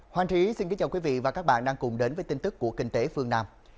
hoàng trí xin kính chào quý vị và các bạn đang cùng đến với tin tức của kinh tế phương nam